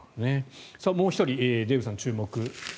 もう１人デーブさんが注目。